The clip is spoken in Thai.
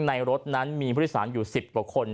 ในรถนั้นมีผู้ทิศาลอยู่สิบกว่าคน